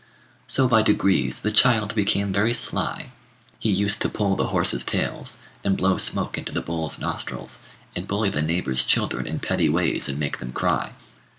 So by degrees the child became very sly: he used to pull the horses' tails, and blow smoke into the bulls' nostrils, and bully the neighbours' children in petty ways and make them cry.